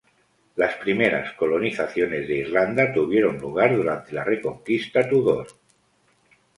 Las primeras colonizaciones de Irlanda tuvieron lugar durante la reconquista Tudor.